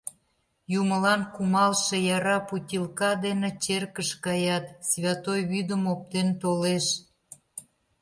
Юмылан кумалше яра путилка дене черкыш каят, «святой» вӱдым оптен толеш.